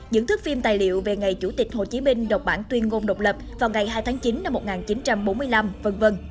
những thức phim tài liệu về ngày chủ tịch hồ chí minh đọc bản tuyên ngôn độc lập vào ngày hai tháng chín năm một nghìn chín trăm bốn mươi năm v v